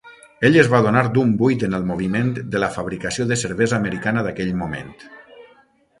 Ell es va adonar d'un buit en el moviment de la fabricació de cervesa americana d'aquell moment.